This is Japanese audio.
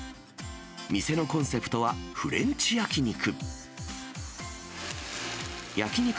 店のコンセプトは、フレンチ焼き肉。